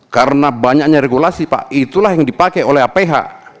karena banyaknya regulasi pak itulah yang dipakai oleh aph